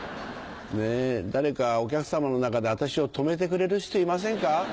ねぇ誰かお客さまの中で私を泊めてくれる人いませんか？